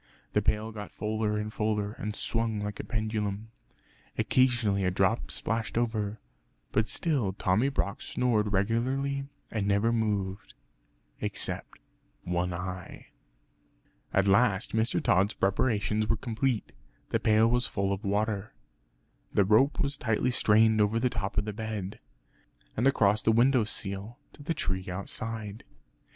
The pail got fuller and fuller, and swung like a pendulum. Occasionally a drop splashed over; but still Tommy Brock snored regularly and never moved, except one eye. At last Mr. Tod's preparations were complete. The pail was full of water; the rope was tightly strained over the top of the bed, and across the window sill to the tree outside.